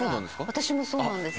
私もそうなんです。